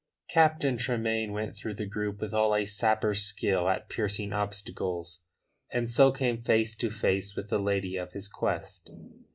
Captain Tremayne went through the group with all a sapper's skill at piercing obstacles, and so came face to face with the lady of his quest.